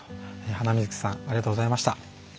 ハナミズキさんありがとうございました。